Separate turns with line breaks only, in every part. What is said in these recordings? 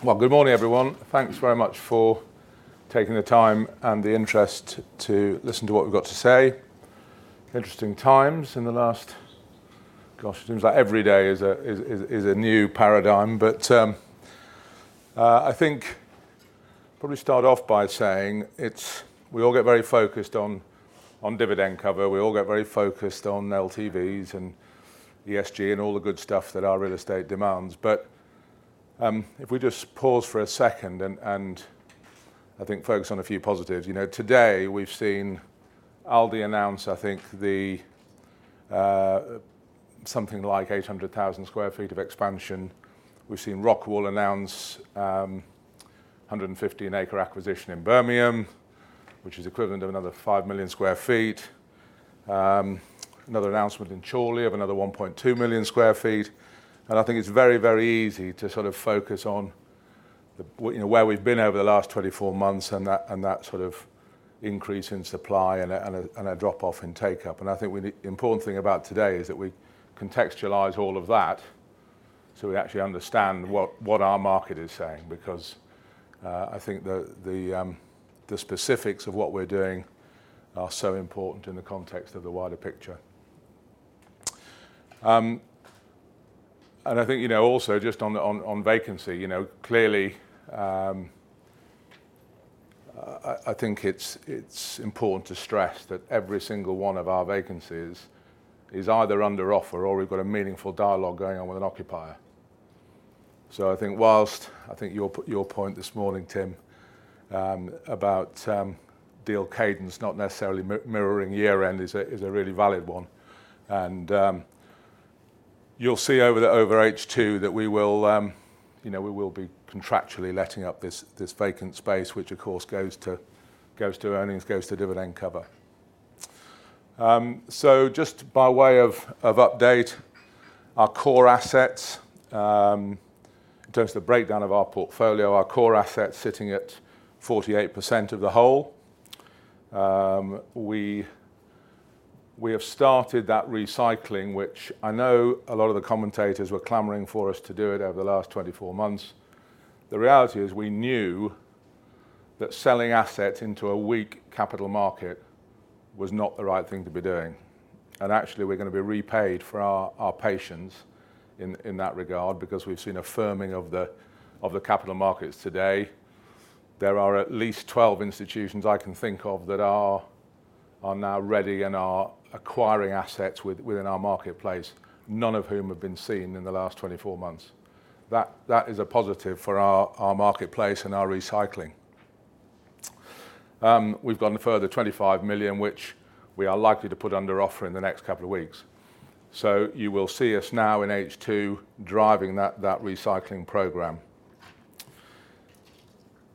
Good morning, everyone. Thanks very much for taking the time and the interest to listen to what we've got to say. Interesting times in the last, gosh, it seems like every day is a new paradigm. But I think I'll probably start off by saying we all get very focused on dividend cover. We all get very focused on LTVs and ESG and all the good stuff that our real estate demands. But if we just pause for a second and, I think, focus on a few positives. Today, we've seen Aldi announce, I think, something like 800,000 sq ft of expansion. We've seen Rockwool announce 115-acre acquisition in Birmingham, which is equivalent to another 5 million sq ft. Another announcement in Chorley of another 1.2 million sq ft. I think it's very, very easy to sort of focus on where we've been over the last 24 months and that sort of increase in supply and a drop-off in take-up. I think the important thing about today is that we contextualize all of that so we actually understand what our market is saying because I think the specifics of what we're doing are so important in the context of the wider picture. I think also, just on vacancy, clearly, I think it's important to stress that every single one of our vacancies is either under offer or we've got a meaningful dialogue going on with an occupier. I think, while I think your point this morning, Tim, about deal cadence not necessarily mirroring year-end is a really valid one. You'll see over H2 that we will be contractually letting up this vacant space, which, of course, goes to earnings, goes to dividend cover. Just by way of update, our core assets, in terms of the breakdown of our portfolio, our core assets sitting at 48% of the whole. We have started that recycling, which I know a lot of the commentators were clamoring for us to do over the last 24 months. The reality is we knew that selling assets into a weak capital market was not the right thing to be doing. Actually, we're going to be repaid for our patience in that regard because we've seen a firming of the capital markets today. There are at least 12 institutions I can think of that are now ready and are acquiring assets within our marketplace, none of whom have been seen in the last 24 months. That is a positive for our marketplace and our recycling. We've gotten further 25 million, which we are likely to put under offer in the next couple of weeks. So you will see us now in H2 driving that recycling program.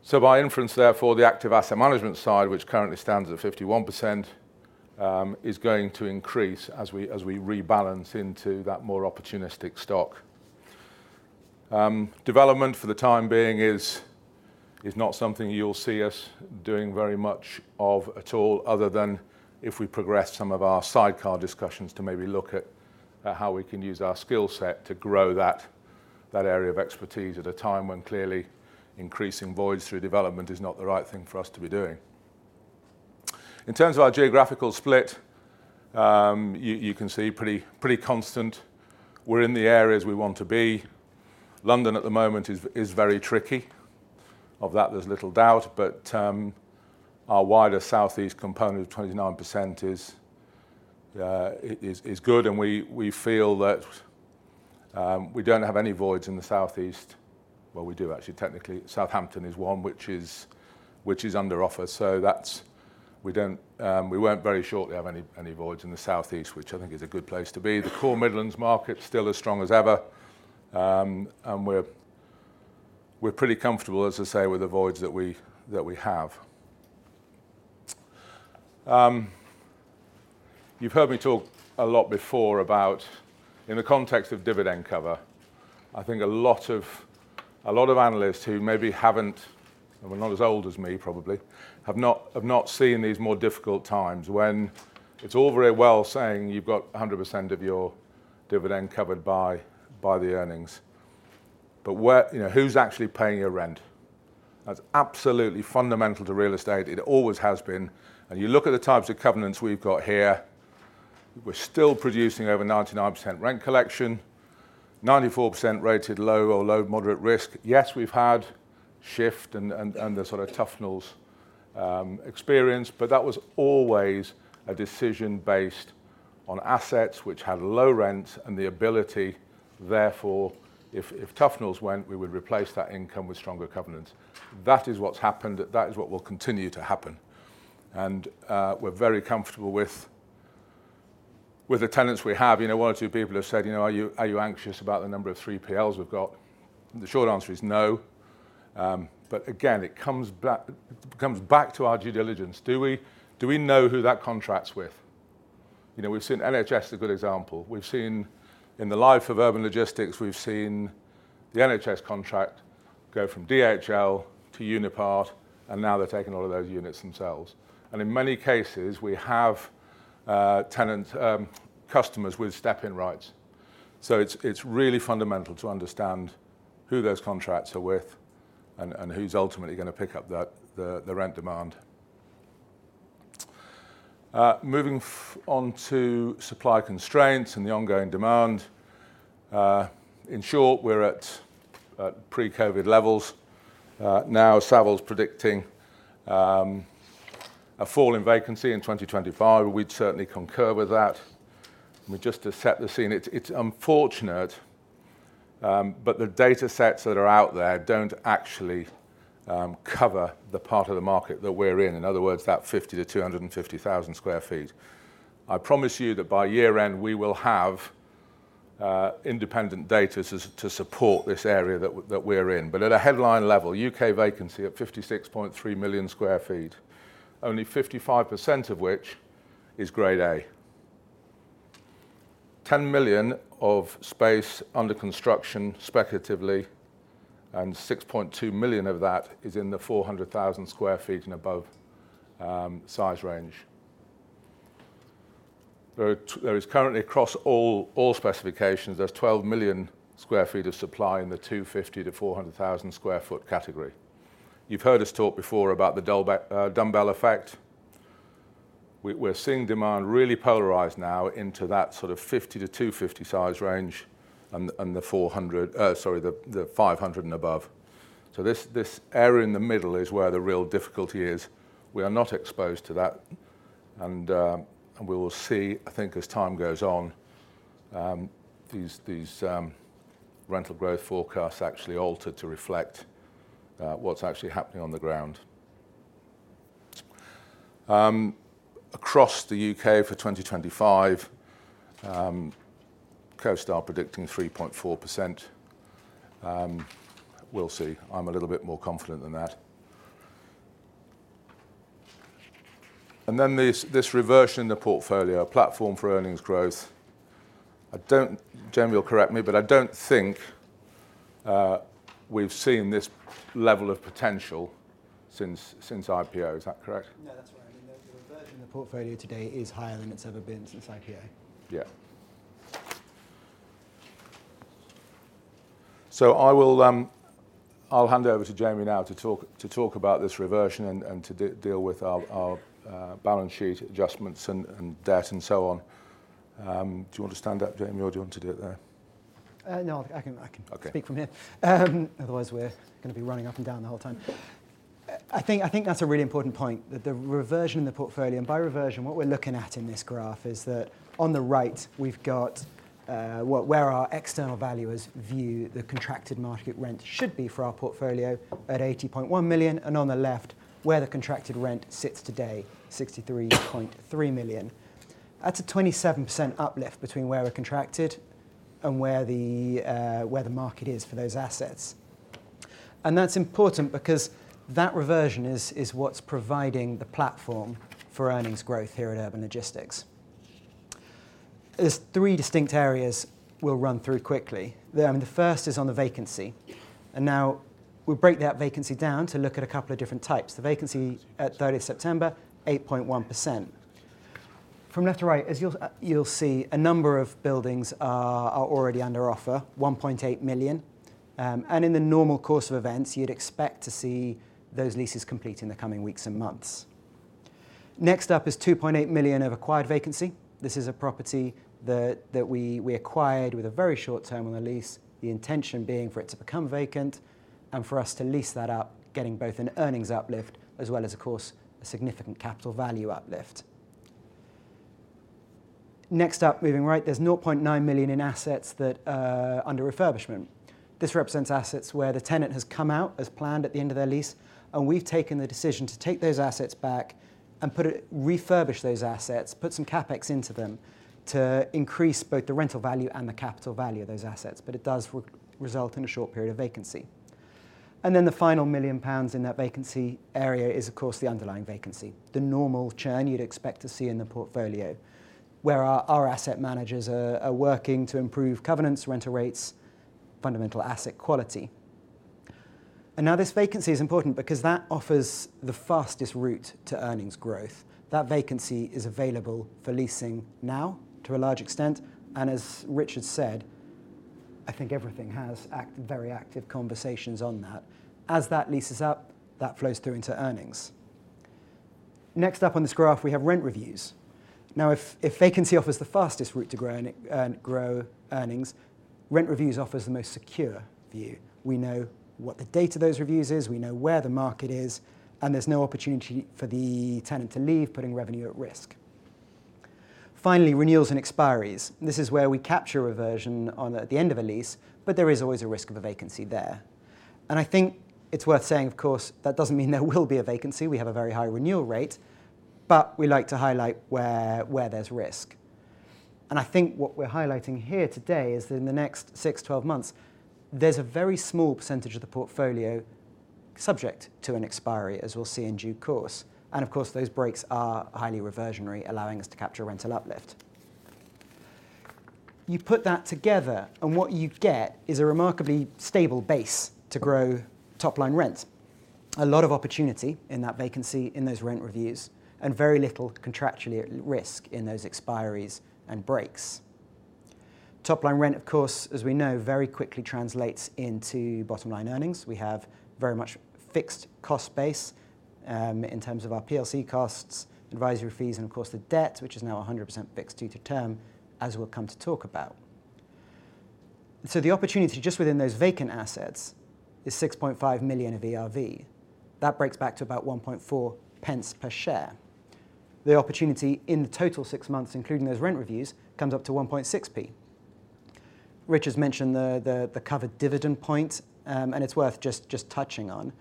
So by inference, therefore, the active asset management side, which currently stands at 51%, is going to increase as we rebalance into that more opportunistic stock. Development for the time being is not something you'll see us doing very much of at all, other than if we progress some of our sidecar discussions to maybe look at how we can use our skill set to grow that area of expertise at a time when clearly increasing voids through development is not the right thing for us to be doing. In terms of our geographical split, you can see pretty constant. We're in the areas we want to be. London at the moment is very tricky. Of that, there's little doubt. But our wider South East component of 29% is good. And we feel that we don't have any voids in the South East. Well, we do, actually. Technically, Southampton is one, which is under offer. So we won't very shortly have any voids in the South East, which I think is a good place to be. The core Midlands market's still as strong as ever. And we're pretty comfortable, as I say, with the voids that we have. You've heard me talk a lot before about, in the context of dividend cover, I think a lot of analysts who maybe haven't, and they're not as old as me, probably, have not seen these more difficult times when it's all very well saying you've got 100% of your dividend covered by the earnings. But who's actually paying your rent? That's absolutely fundamental to real estate. It always has been. And you look at the types of covenants we've got here, we're still producing over 99% rent collection, 94% rated low or low-moderate risk. Yes, we've had shift and the sort of Tufnells experience. That was always a decision based on assets which had low rents and the ability, therefore, if Tufnells went, we would replace that income with stronger covenants. That is what's happened. That is what will continue to happen. And we're very comfortable with the tenants we have. One or two people have said, "Are you anxious about the number of 3PLs we've got?" The short answer is no. But again, it comes back to our due diligence. Do we know who that contracts with? We've seen NHS is a good example. In the life of urban logistics, we've seen the NHS contract go from DHL to Unipart, and now they're taking all of those units themselves. And in many cases, we have customers with step-in rights. So it's really fundamental to understand who those contracts are with and who's ultimately going to pick up the rent demand. Moving on to supply constraints and the ongoing demand. In short, we're at pre-COVID levels. Now, Savills is predicting a fall in vacancy in 2025. We'd certainly concur with that. Just to set the scene, it's unfortunate, but the data sets that are out there don't actually cover the part of the market that we're in, in other words, that 50-250,000 sq ft. I promise you that by year-end, we will have independent data to support this area that we're in. But at a headline level, UK vacancy at 56.3 million sq ft, only 55% of which is Grade A. 10 million sq ft of space under construction speculatively, and 6.2 million sq ft of that is in the 400,000 sq ft and above size range. There is currently, across all specifications, there's 12 million sq ft of supply in the 250-400,000 sq ft category. You've heard us talk before about the dumbbell effect. We're seeing demand really polarized now into that sort of 50 to 250 size range and the 500 and above. So this area in the middle is where the real difficulty is. We are not exposed to that. And we will see, I think, as time goes on, these rental growth forecasts actually alter to reflect what's actually happening on the ground. Across the U.K. for 2025, CoStar are predicting 3.4%. We'll see. I'm a little bit more confident than that. And then this reversion in the portfolio, a platform for earnings growth. I don't, Jen will correct me, but I don't think we've seen this level of potential since IPO. Is that correct?
No, that's right. I mean, the reversion in the portfolio today is higher than it's ever been since IPO.
Yeah. So I'll hand over to Jamie now to talk about this reversion and to deal with our balance sheet adjustments and debt and so on. Do you want to stand up, Jamie, or do you want to do it there?
No, I can speak from here. Otherwise, we're going to be running up and down the whole time. I think that's a really important point, that the reversion in the portfolio. And by reversion, what we're looking at in this graph is that on the right, we've got where our external valuers view the contracted market rent should be for our portfolio at 80.1 million. And on the left, where the contracted rent sits today, 63.3 million. That's a 27% uplift between where we're contracted and where the market is for those assets. And that's important because that reversion is what's providing the platform for earnings growth here at Urban Logistics. There's three distinct areas we'll run through quickly. I mean, the first is on the vacancy. And now we'll break that vacancy down to look at a couple of different types. The vacancy at 30 September, 8.1%. From left to right, as you'll see, a number of buildings are already under offer, 1.8 million. And in the normal course of events, you'd expect to see those leases complete in the coming weeks and months. Next up is 2.8 million of acquired vacancy. This is a property that we acquired with a very short term on the lease, the intention being for it to become vacant and for us to lease that out, getting both an earnings uplift as well as, of course, a significant capital value uplift. Next up, moving right, there's 0.9 million in assets that are under refurbishment. This represents assets where the tenant has come out as planned at the end of their lease. We've taken the decision to take those assets back and refurbish those assets, put some CapEx into them to increase both the rental value and the capital value of those assets. It does result in a short period of vacancy. Then the final 1 million pounds in that vacancy area is, of course, the underlying vacancy, the normal churn you'd expect to see in the portfolio, where our asset managers are working to improve covenants, rental rates, fundamental asset quality. Now this vacancy is important because that offers the fastest route to earnings growth. That vacancy is available for leasing now to a large extent. As Richard said, I think everything has very active conversations on that. As that leases up, that flows through into earnings. Next up on this graph, we have rent reviews. Now, if vacancy offers the fastest route to grow earnings, rent reviews offer the most secure view. We know what the date of those reviews is. We know where the market is, and there's no opportunity for the tenant to leave, putting revenue at risk. Finally, renewals and expiries. This is where we capture reversion at the end of a lease, but there is always a risk of a vacancy there. And I think it's worth saying, of course, that doesn't mean there will be a vacancy. We have a very high renewal rate. But we like to highlight where there's risk, and I think what we're highlighting here today is that in the next six, 12 months, there's a very small percentage of the portfolio subject to an expiry, as we'll see in due course. And of course, those breaks are highly reversionary, allowing us to capture rental uplift. You put that together, and what you get is a remarkably stable base to grow top-line rents. A lot of opportunity in that vacancy, in those rent reviews, and very little contractually at risk in those expiries and breaks. Top-line rent, of course, as we know, very quickly translates into bottom-line earnings. We have a very much fixed cost base in terms of our PLC costs, advisory fees, and of course, the debt, which is now 100% fixed due to term, as we'll come to talk about. So the opportunity just within those vacant assets is 6.5 million of ERV. That breaks back to about 1.4 pence per share. The opportunity in the total six months, including those rent reviews, comes up to 1.6p. Richard's mentioned the covered dividend point, and it's worth just touching on.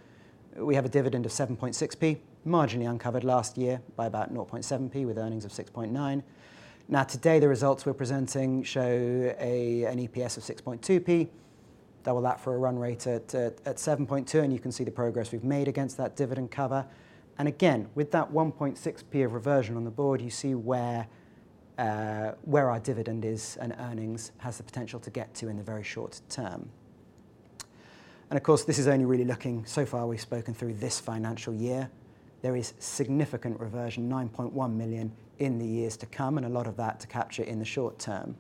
We have a dividend of 7.6p, marginally uncovered last year by about 0.7p, with earnings of 6.9. Now, today, the results we're presenting show an EPS of 6.2p. Double that for a run rate at 7.2. And you can see the progress we've made against that dividend cover. And again, with that 1.6p of reversion on the board, you see where our dividend is and earnings has the potential to get to in the very short term. And of course, this is only really looking so far we've spoken through this financial year. There is significant reversion, 9.1 million in the years to come, and a lot of that to capture in the short term.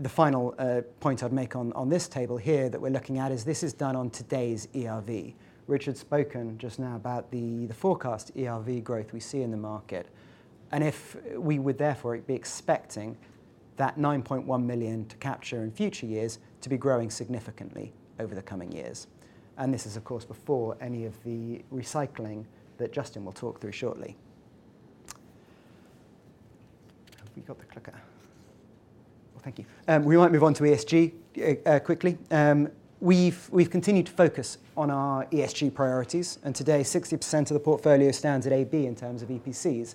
The final point I'd make on this table here that we're looking at is this is done on today's ERV. Richard's spoken just now about the forecast ERV growth we see in the market. We would therefore be expecting that 9.1 million to capture in future years to be growing significantly over the coming years. And this is, of course, before any of the recycling that Justin will talk through shortly. Have we got the clicker? Well, thank you. We might move on to ESG quickly. We've continued to focus on our ESG priorities. And today, 60% of the portfolio stands at AB in terms of EPCs.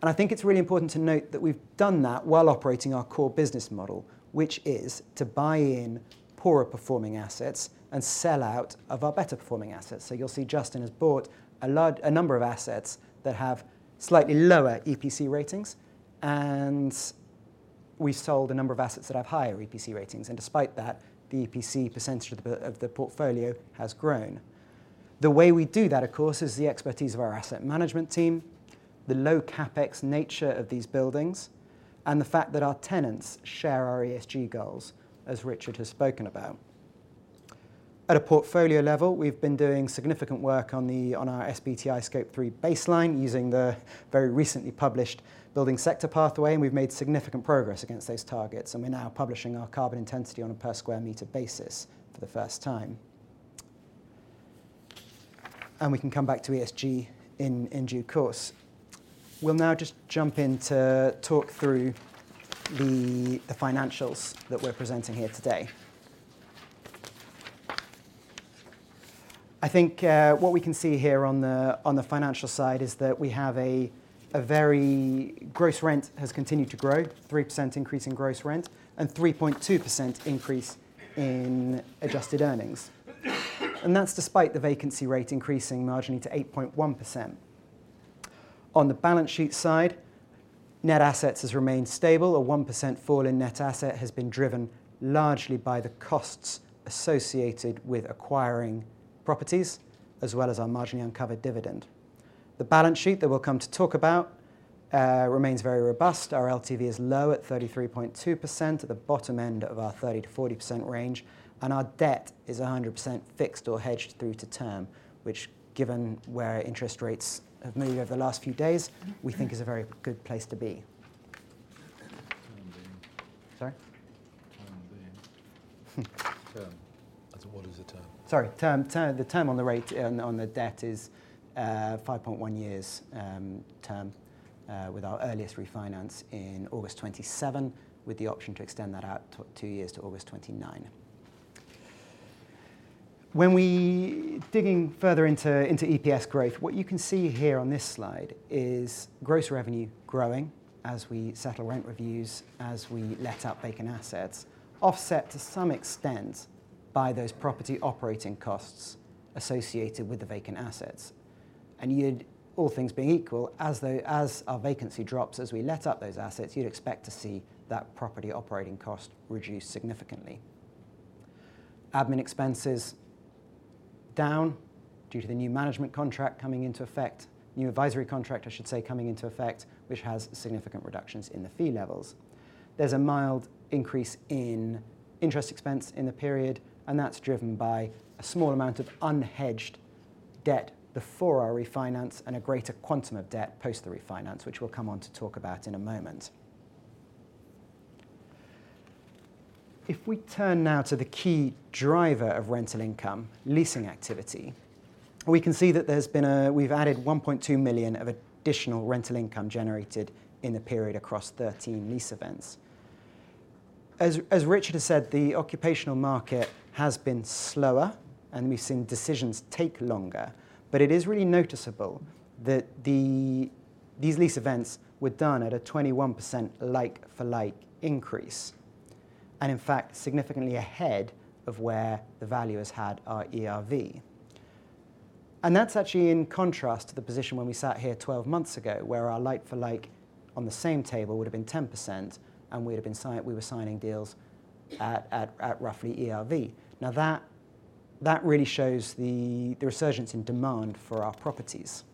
And I think it's really important to note that we've done that while operating our core business model, which is to buy in poorer performing assets and sell out of our better performing assets. So you'll see Justin has bought a number of assets that have slightly lower EPC ratings. And we've sold a number of assets that have higher EPC ratings. And despite that, the EPC percentage of the portfolio has grown. The way we do that, of course, is the expertise of our asset management team, the low CapEx nature of these buildings, and the fact that our tenants share our ESG goals, as Richard has spoken about. At a portfolio level, we've been doing significant work on our SBTI Scope 3 baseline using the very recently published Buildings Sector Pathway, and we've made significant progress against those targets, and we're now publishing our carbon intensity on a per square meter basis for the first time, and we can come back to ESG in due course. We'll now just jump in to talk through the financials that we're presenting here today. I think what we can see here on the financial side is that we have a very gross rent has continued to grow, 3% increase in gross rent, and 3.2% increase in adjusted earnings. And that's despite the vacancy rate increasing marginally to 8.1%. On the balance sheet side, net assets has remained stable. A 1% fall in net asset has been driven largely by the costs associated with acquiring properties, as well as our marginally uncovered dividend. The balance sheet that we'll come to talk about remains very robust. Our LTV is low at 33.2%, at the bottom end of our 30%-40% range. And our debt is 100% fixed or hedged through to term, which, given where interest rates have moved over the last few days, we think is a very good place to be. Term being?
Sorry?
Term being?
Term.
What is the term?
Sorry. The term on the debt is 5.1 years term, with our earliest refinance in August 2027, with the option to extend that out two years to August 2029. When we're digging further into EPS growth, what you can see here on this slide is gross revenue growing as we settle rent reviews, as we let up vacant assets, offset to some extent by those property operating costs associated with the vacant assets. All things being equal, as our vacancy drops, as we let up those assets, you'd expect to see that property operating cost reduce significantly. Admin expenses down due to the new management contract coming into effect, new advisory contract, I should say, coming into effect, which has significant reductions in the fee levels. There's a mild increase in interest expense in the period. And that's driven by a small amount of unhedged debt before our refinance and a greater quantum of debt post the refinance, which we'll come on to talk about in a moment. If we turn now to the key driver of rental income, leasing activity, we can see that we've added 1.2 million of additional rental income generated in the period across 13 lease events. As Richard has said, the occupational market has been slower, and we've seen decisions take longer. But it is really noticeable that these lease events were done at a 21% like-for-like increase, and in fact, significantly ahead of where the valuers had our ERV. And that's actually in contrast to the position when we sat here 12 months ago, where our like-for-like on the same table would have been 10%, and we were signing deals at roughly ERV. Now, that really shows the resurgence in demand for our properties.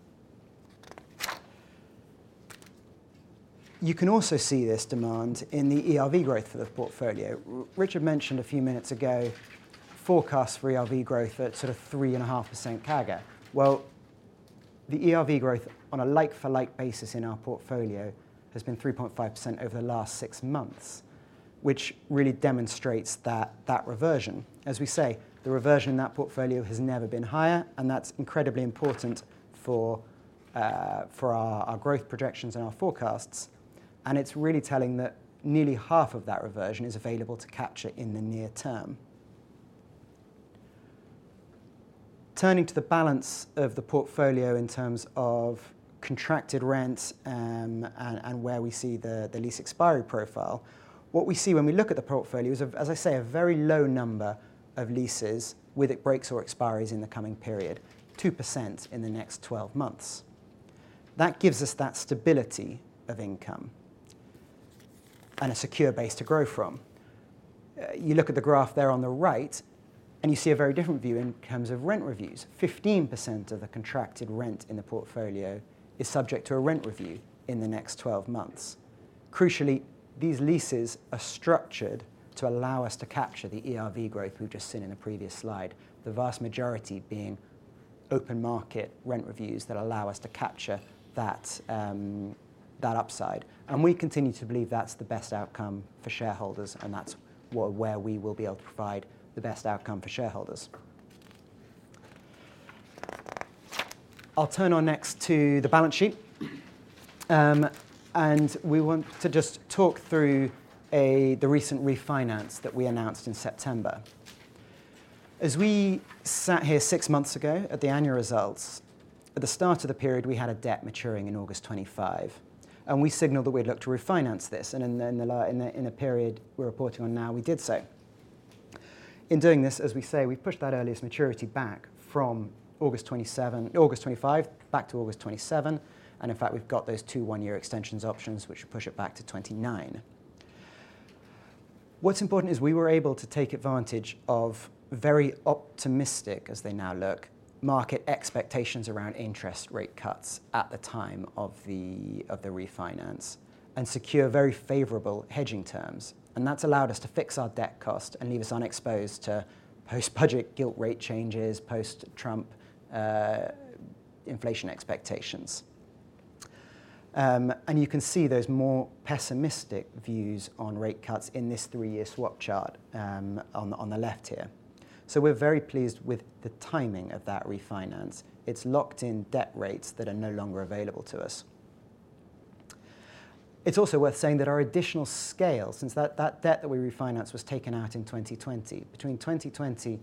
You can also see this demand in the ERV growth for the portfolio. Richard mentioned a few minutes ago forecasts for ERV growth at sort of 3.5% CAGR. Well, the ERV growth on a like-for-like basis in our portfolio has been 3.5% over the last six months, which really demonstrates that reversion. As we say, the reversion in that portfolio has never been higher. And that's incredibly important for our growth projections and our forecasts. And it's really telling that nearly half of that reversion is available to capture in the near term. Turning to the balance of the portfolio in terms of contracted rents and where we see the lease expiry profile, what we see when we look at the portfolio is, as I say, a very low number of leases with breaks or expiries in the coming period, 2% in the next 12 months. That gives us that stability of income and a secure base to grow from. You look at the graph there on the right, and you see a very different view in terms of rent reviews. 15% of the contracted rent in the portfolio is subject to a rent review in the next 12 months. Crucially, these leases are structured to allow us to capture the ERV growth we've just seen in the previous slide, the vast majority being open market rent reviews that allow us to capture that upside. We continue to believe that's the best outcome for shareholders. That's where we will be able to provide the best outcome for shareholders. I'll turn next to the balance sheet. We want to just talk through the recent refinance that we announced in September. As we sat here six months ago at the annual results, at the start of the period, we had a debt maturing in August 2025. We signaled that we'd look to refinance this. In the period we're reporting on now, we did so. In doing this, as we say, we pushed that earliest maturity back from August 2025 back to August 2027. In fact, we've got those two one-year extensions options, which push it back to 2029. What's important is we were able to take advantage of very optimistic, as they now look, market expectations around interest rate cuts at the time of the refinance and secure very favorable hedging terms. And that's allowed us to fix our debt cost and leave us unexposed to post-budget gilt rate changes, post-Trump inflation expectations. And you can see those more pessimistic views on rate cuts in this three-year swap chart on the left here. So we're very pleased with the timing of that refinance. It's locked in debt rates that are no longer available to us. It's also worth saying that our additional scale, since that debt that we refinanced was taken out in 2020, between 2020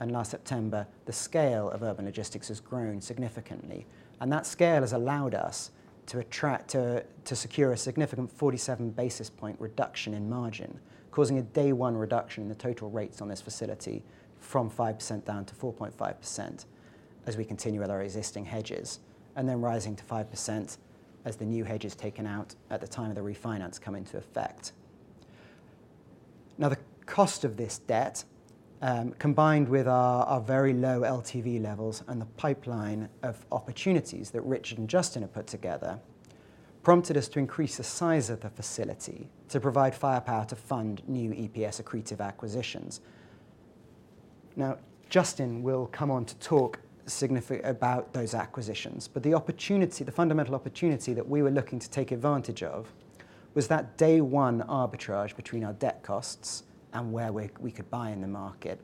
and last September, the scale of Urban Logistics has grown significantly. That scale has allowed us to secure a significant 47 basis point reduction in margin, causing a day-one reduction in the total rates on this facility from 5% down to 4.5% as we continue with our existing hedges, and then rising to 5% as the new hedges taken out at the time of the refinance come into effect. Now, the cost of this debt, combined with our very low LTV levels and the pipeline of opportunities that Richard and Justin have put together, prompted us to increase the size of the facility to provide firepower to fund new EPS accretive acquisitions. Now, Justin will come on to talk about those acquisitions. But the fundamental opportunity that we were looking to take advantage of was that day-one arbitrage between our debt costs and where we could buy in the market,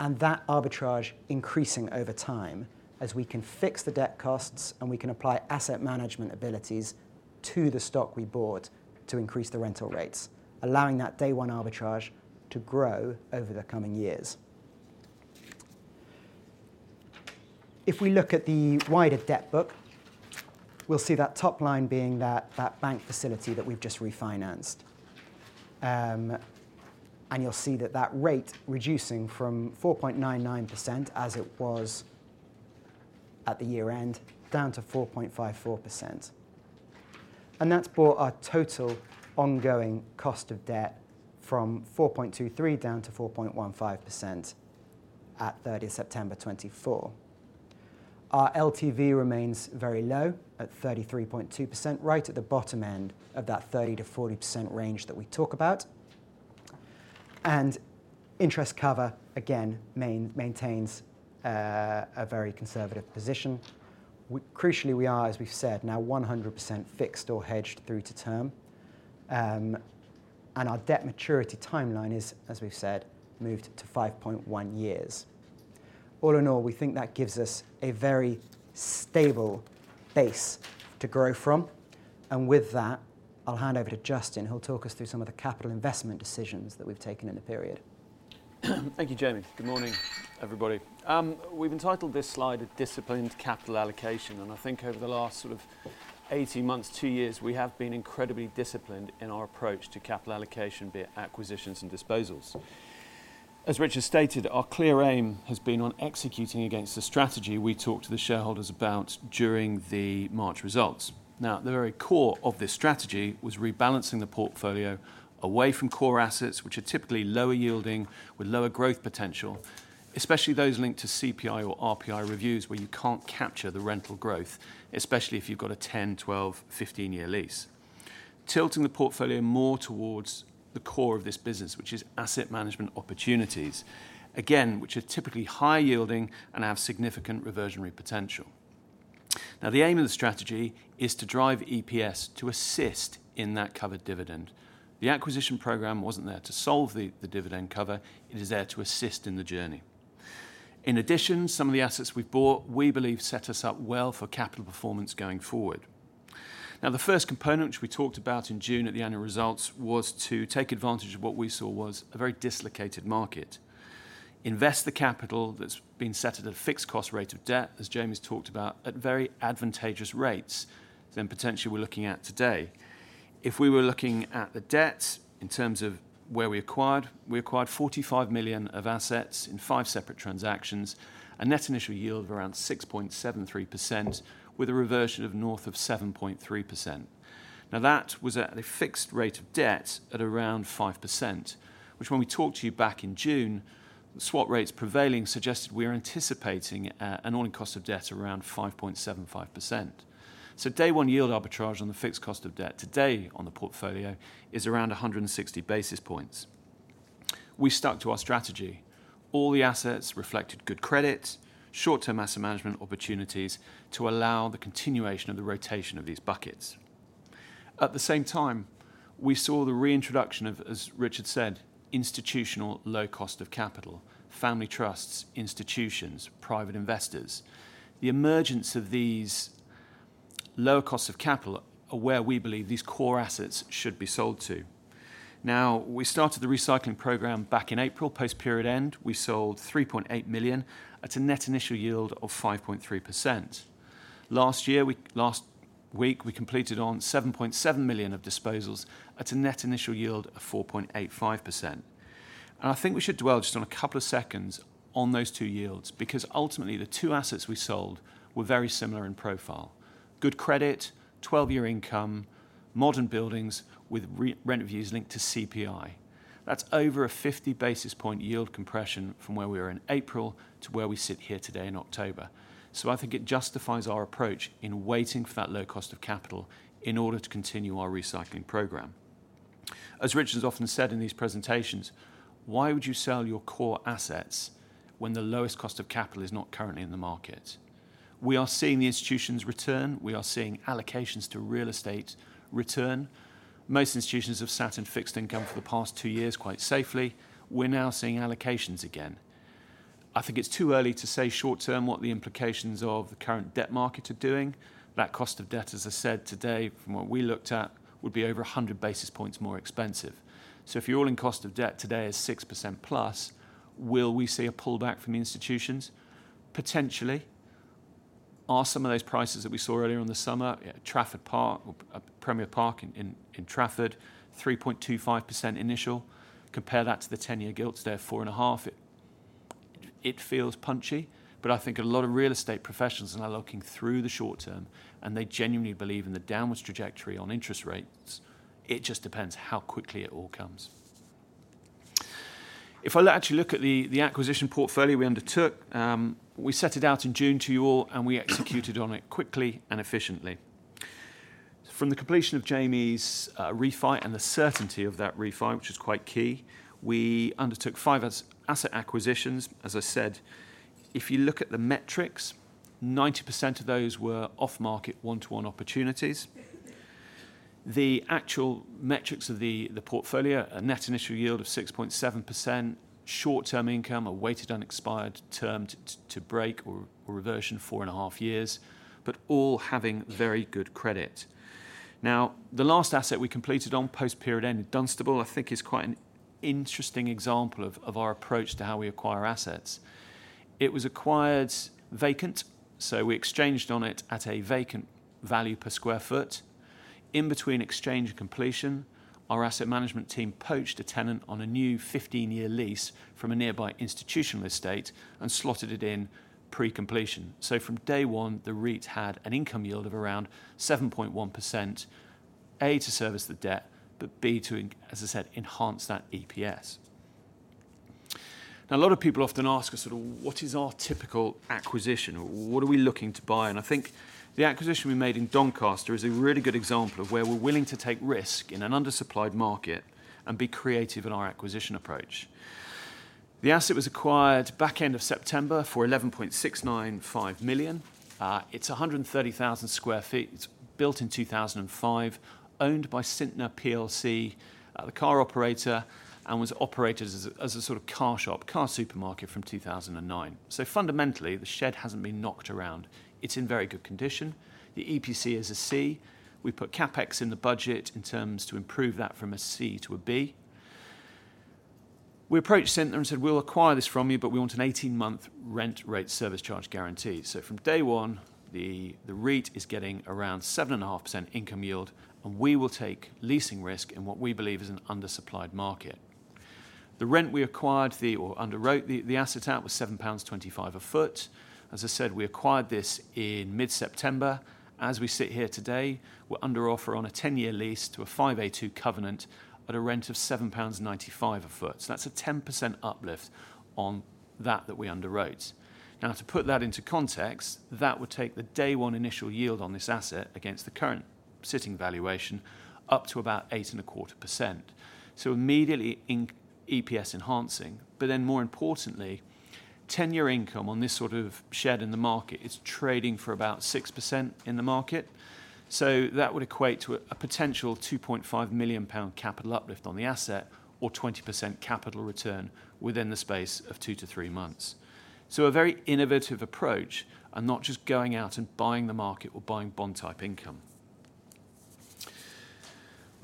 and that arbitrage increasing over time as we can fix the debt costs and we can apply asset management abilities to the stock we bought to increase the rental rates, allowing that day-one arbitrage to grow over the coming years. If we look at the wider debt book, we'll see that top line being that bank facility that we've just refinanced. And you'll see that that rate reducing from 4.99% as it was at the year-end down to 4.54%. And that's brought our total ongoing cost of debt from 4.23% down to 4.15% at 30 September 2024. Our LTV remains very low at 33.2%, right at the bottom end of that 30%-40% range that we talk about. Interest cover, again, maintains a very conservative position. Crucially, we are, as we've said, now 100% fixed or hedged through to term. Our debt maturity timeline is, as we've said, moved to 5.1 years. All in all, we think that gives us a very stable base to grow from. With that, I'll hand over to Justin. He'll talk us through some of the capital investment decisions that we've taken in the period.
Thank you, Jamie. Good morning, everybody. We've entitled this slide a disciplined capital allocation. And I think over the last sort of 18 months, two years, we have been incredibly disciplined in our approach to capital allocation, be it acquisitions and disposals. As Richard stated, our clear aim has been on executing against the strategy we talked to the shareholders about during the March results. Now, the very core of this strategy was rebalancing the portfolio away from core assets, which are typically lower yielding with lower growth potential, especially those linked to CPI or RPI reviews where you can't capture the rental growth, especially if you've got a 10, 12, 15-year lease, tilting the portfolio more towards the core of this business, which is asset management opportunities, again, which are typically high-yielding and have significant reversionary potential. Now, the aim of the strategy is to drive EPS to assist in that dividend cover. The acquisition program wasn't there to solve the dividend cover. It is there to assist in the journey. In addition, some of the assets we've bought, we believe, set us up well for capital performance going forward. Now, the first component, which we talked about in June at the annual results, was to take advantage of what we saw was a very dislocated market, invest the capital that's been set at a fixed cost rate of debt, as Jamie's talked about, at very advantageous rates than potentially we're looking at today. If we were looking at the debt in terms of where we acquired, we acquired 45 million of assets in five separate transactions, a net initial yield of around 6.73%, with a reversion of north of 7.3%. Now, that was at a fixed rate of debt at around 5%, which, when we talked to you back in June, the swap rates prevailing suggested we were anticipating an all-in cost of debt around 5.75%. So day-one yield arbitrage on the fixed cost of debt today on the portfolio is around 160 basis points. We stuck to our strategy. All the assets reflected good credit, short-term asset management opportunities to allow the continuation of the rotation of these buckets. At the same time, we saw the reintroduction of, as Richard said, institutional low cost of capital, family trusts, institutions, private investors. The emergence of these lower costs of capital are where we believe these core assets should be sold to. Now, we started the recycling program back in April. Post-period end, we sold 3.8 million at a net initial yield of 5.3%. Last week, we completed on 7.7 million of disposals at a net initial yield of 4.85%. And I think we should dwell just on a couple of seconds on those two yields because ultimately, the two assets we sold were very similar in profile: good credit, 12-year income, modern buildings with rent reviews linked to CPI. That's over a 50 basis point yield compression from where we were in April to where we sit here today in October. So I think it justifies our approach in waiting for that low cost of capital in order to continue our recycling program. As Richard has often said in these presentations, why would you sell your core assets when the lowest cost of capital is not currently in the market? We are seeing the institutions return. We are seeing allocations to real estate return. Most institutions have sat in fixed income for the past two years quite safely. We're now seeing allocations again. I think it's too early to say short-term what the implications of the current debt market are doing. That cost of debt, as I said today, from what we looked at, would be over 100 basis points more expensive. So if your all-in cost of debt today is 6% plus, will we see a pullback from institutions? Potentially. Are some of those prices that we saw earlier in the summer, Trafford Park, Premier Park in Trafford, 3.25% initial? Compare that to the 10-year gilts, they're 4.5%. It feels punchy. But I think a lot of real estate professionals are now looking through the short-term, and they genuinely believe in the downward trajectory on interest rates. It just depends how quickly it all comes. If I actually look at the acquisition portfolio we undertook, we set it out in June to you all, and we executed on it quickly and efficiently. From the completion of Jamie's refi and the certainty of that refi, which is quite key, we undertook five asset acquisitions. As I said, if you look at the metrics, 90% of those were off-market one-to-one opportunities. The actual metrics of the portfolio, a net initial yield of 6.7%, short-term income, a weighted unexpired term to break or reversion four and a half years, but all having very good credit. Now, the last asset we completed on post-period end, Dunstable, I think, is quite an interesting example of our approach to how we acquire assets. It was acquired vacant. So we exchanged on it at a vacant value per sq ft. In between exchange and completion, our asset management team poached a tenant on a new 15-year lease from a nearby institutional estate and slotted it in pre-completion, so from day one, the REIT had an income yield of around 7.1%, A, to service the debt, but B, to, as I said, enhance that EPS. Now, a lot of people often ask us, sort of, what is our typical acquisition? What are we looking to buy? And I think the acquisition we made in Doncaster is a really good example of where we're willing to take risk in an undersupplied market and be creative in our acquisition approach. The asset was acquired back end of September for 11.695 million. It's 130,000 sq ft. It's built in 2005, owned by Sytner Group, the car operator, and was operated as a sort of car shop, car supermarket from 2009. So fundamentally, the shed hasn't been knocked around. It's in very good condition. The EPC is a C. We put CapEx in the budget in terms to improve that from a C to a B. We approached Sytner and said, "We'll acquire this from you, but we want an 18-month rent rate service charge guarantee." So from day one, the REIT is getting around 7.5% income yield, and we will take leasing risk in what we believe is an undersupplied market. The rent we acquired or underwrote the asset at was 7.25 pounds a foot. As I said, we acquired this in mid-September. As we sit here today, we're under offer on a 10-year lease to a 5A2 covenant at a rent of 7.95 pounds a foot. So that's a 10% uplift on that that we underwrote. Now, to put that into context, that would take the day-one initial yield on this asset against the current sitting valuation up to about 8.25%. So immediately EPS enhancing. But then, more importantly, 10-year income on this sort of shed in the market is trading for about 6% in the market. So that would equate to a potential 2.5 million pound capital uplift on the asset or 20% capital return within the space of two to three months. So a very innovative approach and not just going out and buying the market or buying bond-type income.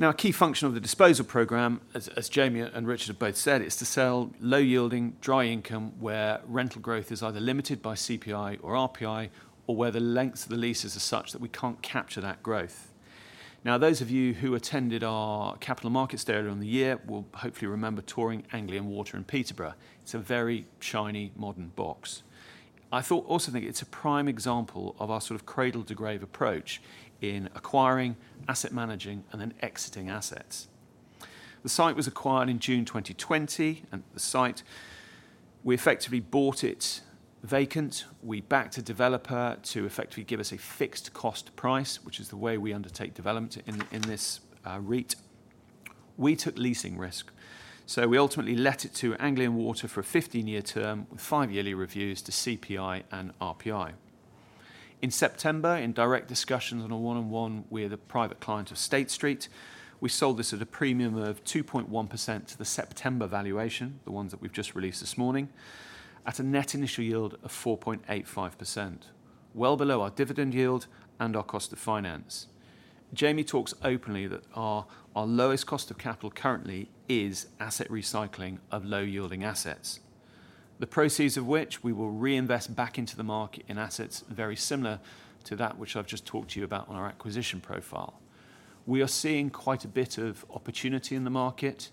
Now, a key function of the disposal program, as Jamie and Richard have both said, is to sell low-yielding dry income where rental growth is either limited by CPI or RPI or where the length of the lease is such that we can't capture that growth. Now, those of you who attended our Capital Markets Day earlier in the year will hopefully remember touring Anglian Water in Peterborough. It's a very shiny modern box. I also think it's a prime example of our sort of cradle-to-grave approach in acquiring, asset managing, and then exiting assets. The site was acquired in June 2020. And the site, we effectively bought it vacant. We backed a developer to effectively give us a fixed cost price, which is the way we undertake development in this REIT. We took leasing risk. So we ultimately let it to Anglian Water for a 15-year term with five yearly reviews to CPI and RPI. In September, in direct discussions on a one-on-one with a private client of State Street, we sold this at a premium of 2.1% to the September valuation, the ones that we've just released this morning, at a net initial yield of 4.85%, well below our dividend yield and our cost of finance. Jamie talks openly that our lowest cost of capital currently is asset recycling of low-yielding assets, the proceeds of which we will reinvest back into the market in assets very similar to that which I've just talked to you about on our acquisition profile. We are seeing quite a bit of opportunity in the market.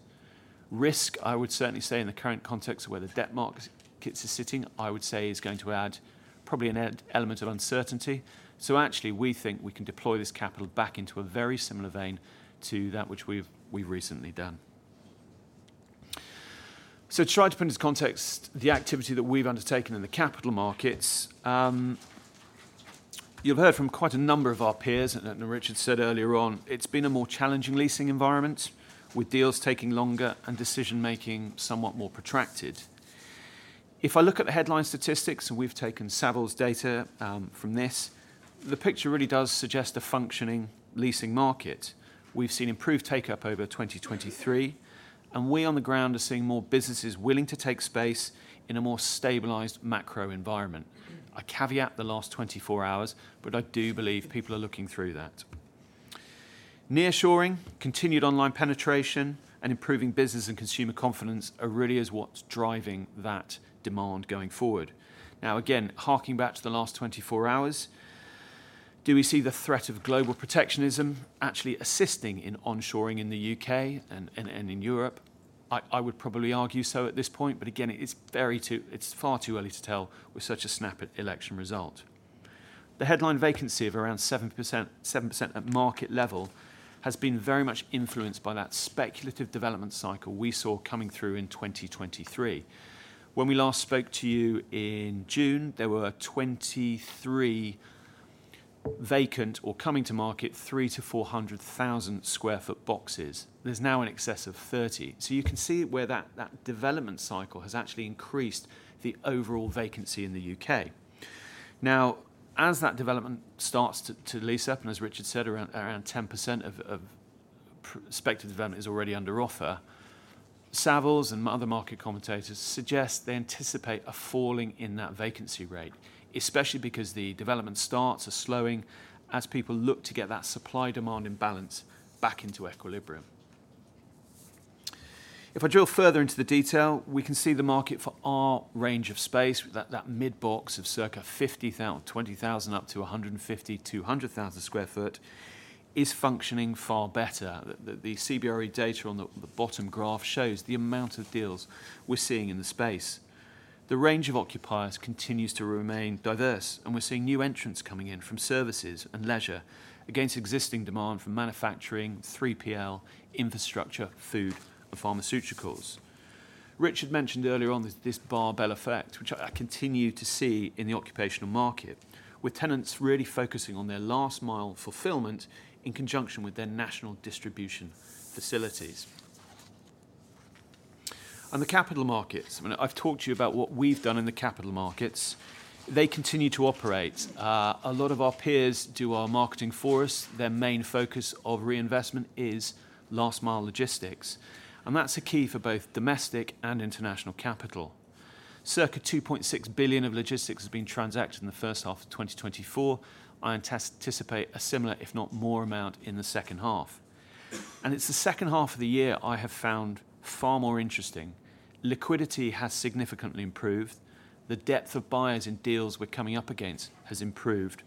Risk, I would certainly say, in the current context of where the debt markets are sitting, I would say, is going to add probably an element of uncertainty. So actually, we think we can deploy this capital back into a very similar vein to that which we've recently done. So to try to put into context the activity that we've undertaken in the capital markets, you've heard from quite a number of our peers. And Richard said earlier on, it's been a more challenging leasing environment with deals taking longer and decision-making somewhat more protracted. If I look at the headline statistics, and we've taken Savills data from this, the picture really does suggest a functioning leasing market. We've seen improved take-up over 2023. And we on the ground are seeing more businesses willing to take space in a more stabilized macro environment. I caveat the last 24 hours, but I do believe people are looking through that. Nearshoring, continued online penetration, and improving business and consumer confidence are really what's driving that demand going forward. Now, again, harking back to the last 24 hours, do we see the threat of global protectionism actually assisting in onshoring in the U.K. and in Europe? I would probably argue so at this point. But again, it's far too early to tell with such a snappy election result. The headline vacancy of around 7% at market level has been very much influenced by that speculative development cycle we saw coming through in 2023. When we last spoke to you in June, there were 23 vacant or coming-to-market 3-400,000 sq ft boxes. There's now an excess of 30. So you can see where that development cycle has actually increased the overall vacancy in the U.K. Now, as that development starts to lease up, and as Richard said, around 10% of speculative development is already under offer, Savills and other market commentators suggest they anticipate a falling in that vacancy rate, especially because the development starts are slowing as people look to get that supply-demand imbalance back into equilibrium. If I drill further into the detail, we can see the market for our range of space, that mid-box of circa 50,000, 20,000 up to 150,000, 200,000 sq ft, is functioning far better. The CBRE data on the bottom graph shows the amount of deals we're seeing in the space. The range of occupiers continues to remain diverse, and we're seeing new entrants coming in from services and leisure against existing demand from manufacturing, 3PL, infrastructure, food, and pharmaceuticals. Richard mentioned earlier on this dumbbell effect, which I continue to see in the occupier market, with tenants really focusing on their last-mile fulfillment in conjunction with their national distribution facilities. The capital markets, I mean, I've talked to you about what we've done in the capital markets. They continue to operate. A lot of our peers do our marketing for us. Their main focus of reinvestment is last-mile logistics. That's a key for both domestic and international capital. Circa 2.6 billion of logistics has been transacted in the first half of 2024. I anticipate a similar, if not more, amount in the second half. It's the second half of the year I have found far more interesting. Liquidity has significantly improved. The depth of buyers in deals we're coming up against has improved.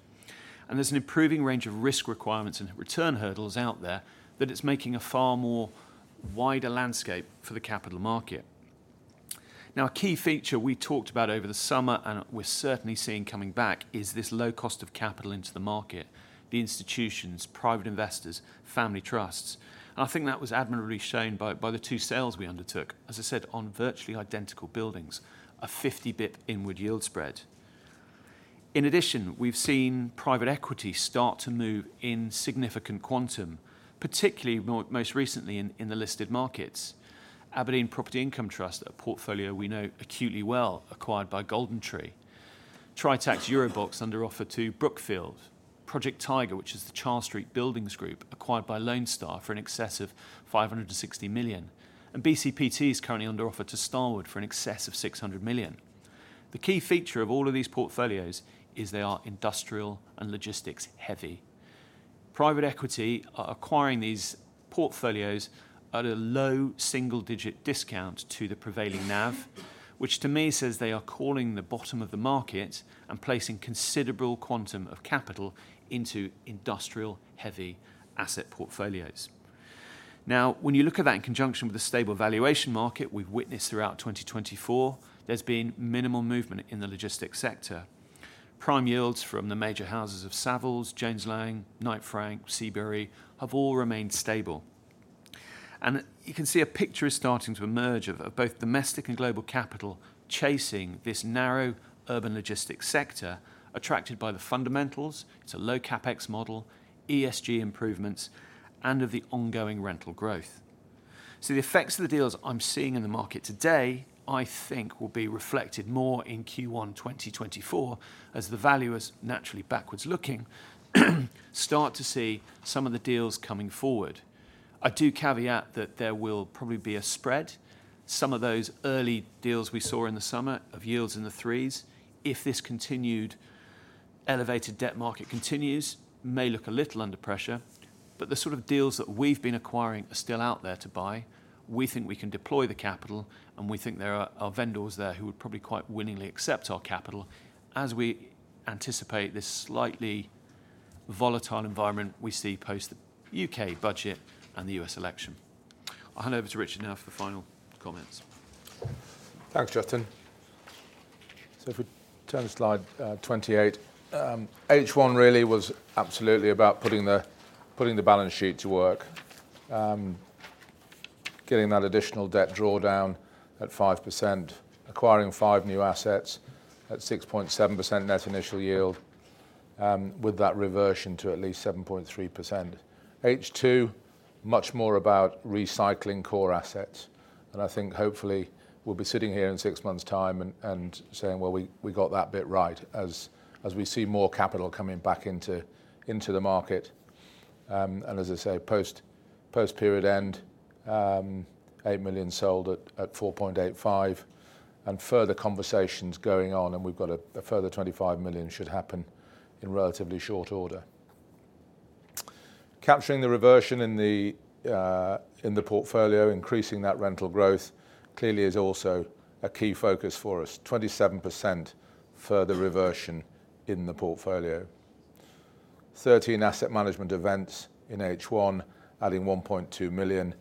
There's an improving range of risk requirements and return hurdles out there that it's making a far more wider landscape for the capital market. Now, a key feature we talked about over the summer and we're certainly seeing coming back is this low cost of capital into the market: the institutions, private investors, family trusts. I think that was admirably shown by the two sales we undertook, as I said, on virtually identical buildings, a 50 basis point net initial yield spread. In addition, we've seen private equity start to move in significant quantum, particularly most recently in the listed markets. abrdn Property Income Trust, a portfolio we know acutely well, acquired by GoldenTree. Tritax EuroBox under offer to Brookfield. Project Tiger, which is the Charles Street Buildings Group, acquired by Lone Star for in excess of 560 million. And BCPT is currently under offer to Starwood for an excess of 600 million. The key feature of all of these portfolios is they are industrial and logistics-heavy. Private equity acquiring these portfolios at a low single-digit discount to the prevailing NAV, which to me says they are calling the bottom of the market and placing considerable quantum of capital into industrial-heavy asset portfolios. Now, when you look at that in conjunction with the stable valuation market we've witnessed throughout 2024, there's been minimal movement in the logistics sector. Prime yields from the major houses of Savills, JLL, Knight Frank, CBRE have all remained stable. And you can see a picture is starting to emerge of both domestic and global capital chasing this narrow urban logistics sector attracted by the fundamentals. It's a low CapEx model, ESG improvements, and of the ongoing rental growth. So the effects of the deals I'm seeing in the market today, I think, will be reflected more in Q1 2024 as the valuers, naturally backwards looking, start to see some of the deals coming forward. I do caveat that there will probably be a spread. Some of those early deals we saw in the summer of yields in the threes, if this continued, elevated debt market continues, may look a little under pressure. But the sort of deals that we've been acquiring are still out there to buy. We think we can deploy the capital, and we think there are vendors there who would probably quite willingly accept our capital as we anticipate this slightly volatile environment we see post the U.K. budget and the U.S., election. I'll hand over to Richard now for the final comments.
Thanks, Justin. So if we turn to slide 28, H1 really was absolutely about putting the balance sheet to work, getting that additional debt drawdown at 5%, acquiring five new assets at 6.7% net initial yield with that reversion to at least 7.3%. H2, much more about recycling core assets. And I think, hopefully, we'll be sitting here in six months' time and saying, "Well, we got that bit right," as we see more capital coming back into the market. And as I say, post-period end, 8 million sold at 4.85%. And further conversations going on, and we've got a further 25 million should happen in relatively short order. Capturing the reversion in the portfolio, increasing that rental growth, clearly is also a key focus for us. 27% further reversion in the portfolio. 13 asset management events in H1, adding 1.2 million.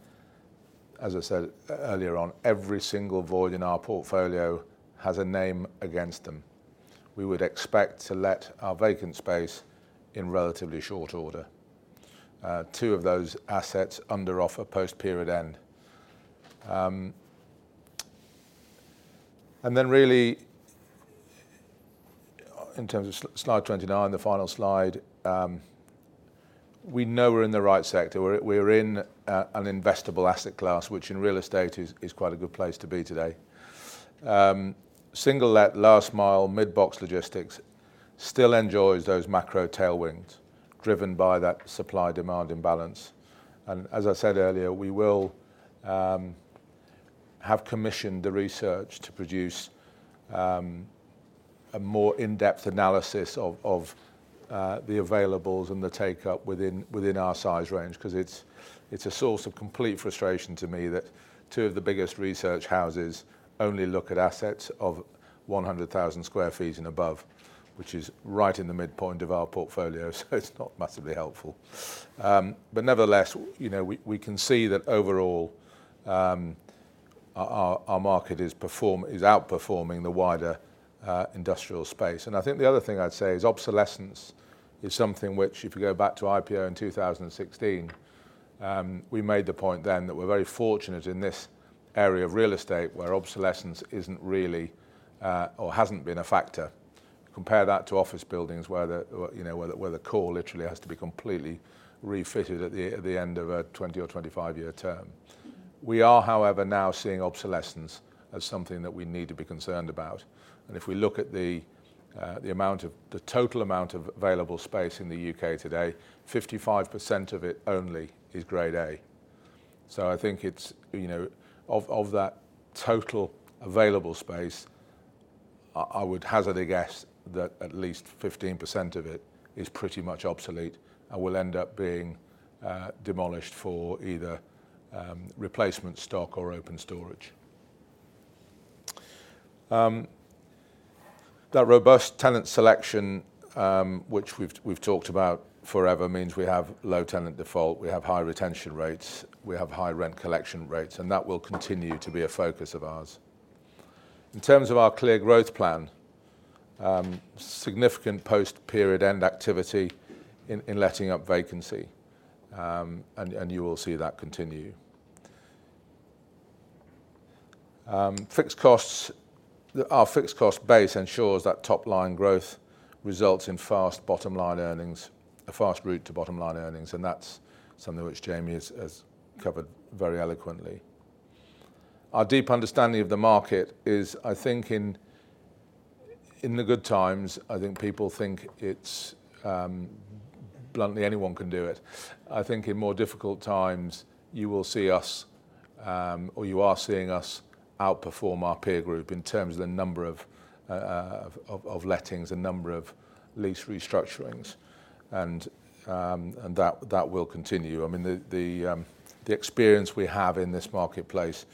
As I said earlier on, every single void in our portfolio has a name against them. We would expect to let our vacant space in relatively short order. Two of those assets under offer post-period end. And then really, in terms of slide 29, the final slide, we know we're in the right sector. We're in an investable asset class, which in real estate is quite a good place to be today. Single let, last-mile, mid-box logistics still enjoys those macro tailwinds driven by that supply-demand imbalance. And as I said earlier, we will have commissioned the research to produce a more in-depth analysis of the availables and the take-up within our size range. Because it's a source of complete frustration to me that two of the biggest research houses only look at assets of 100,000 sq ft and above, which is right in the midpoint of our portfolio. So it's not massively helpful. But nevertheless, we can see that overall, our market is outperforming the wider industrial space. And I think the other thing I'd say is obsolescence is something which, if you go back to IPO in 2016, we made the point then that we're very fortunate in this area of real estate where obsolescence isn't really or hasn't been a factor. Compare that to office buildings where the core literally has to be completely refitted at the end of a 20 or 25-year term. We are, however, now seeing obsolescence as something that we need to be concerned about. And if we look at the total amount of available space in the U.K. today, 55% of it only is Grade A. So, I think of that total available space, I would hazard a guess that at least 15% of it is pretty much obsolete and will end up being demolished for either replacement stock or open storage. That robust tenant selection, which we've talked about forever, means we have low tenant default, we have high retention rates, we have high rent collection rates, and that will continue to be a focus of ours. In terms of our clear growth plan, significant post-period end activity in letting up vacancy, and you will see that continue. Our fixed cost base ensures that top-line growth results in fast bottom-line earnings, a fast route to bottom-line earnings. And that's something which Jamie has covered very eloquently. Our deep understanding of the market is, I think, in the good times, I think people think bluntly anyone can do it. I think in more difficult times, you will see us, or you are seeing us, outperform our peer group in terms of the number of lettings, the number of lease restructurings, and that will continue. I mean, the experience we have in this marketplace